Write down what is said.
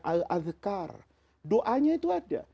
al azkar doanya itu ada